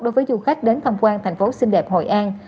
đối với du khách đến tham quan thành phố xinh đẹp hội an